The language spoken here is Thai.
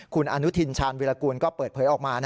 คุณอนุทินชาญวิรากูลก็เปิดเผยออกมา